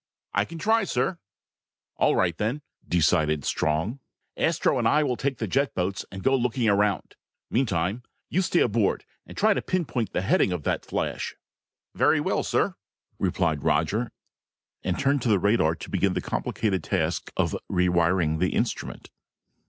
"I can try, sir." "All right, then," decided Strong. "Astro and I will take the jet boats and go looking around. Meantime, you stay aboard and try to pin point the heading on that flash." "Very well, sir," replied Roger, and turned to the radar to begin the complicated task of rewiring the instrument.